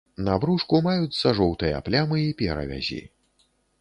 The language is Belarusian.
На брушку маюцца жоўтыя плямы і перавязі.